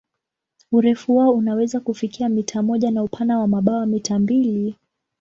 Urefu wao unaweza kufika mita moja na upana wa mabawa mita mbili.